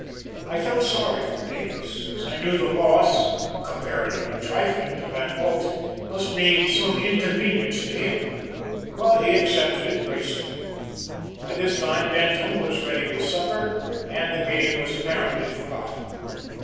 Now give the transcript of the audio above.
I felt sorry for Davis, as I knew the loss, comparatively trifling to Van Bult, must mean some inconvenience to him, but he accepted it gracefully. By this time Benton was ready with supper and the game was apparently forgotten.